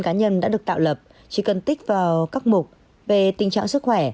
cá nhân đã được tạo lập chỉ cần tích vào các mục về tình trạng sức khỏe